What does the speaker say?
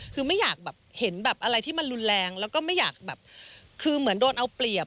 คือไม่อยากแบบเห็นแบบอะไรที่มันรุนแรงแล้วก็ไม่อยากแบบคือเหมือนโดนเอาเปรียบ